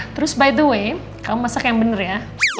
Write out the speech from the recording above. terus by the way kamu masak yang benar ya